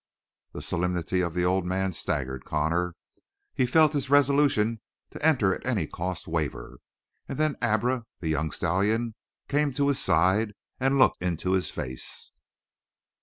The solemnity of the old man staggered Connor. He felt his resolution to enter at any cost waver, and then Abra, the young stallion, came to his side and looked in his face.